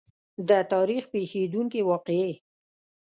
د تاریخ پېښېدونکې واقعې.